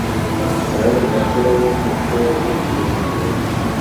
که علم یاد کړی وی پوه شوي وو چې علم وايي.